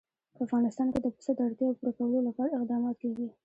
په افغانستان کې د پسه د اړتیاوو پوره کولو لپاره اقدامات کېږي.